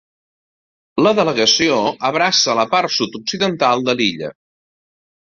La delegació abraça la part sud-occidental de l'illa.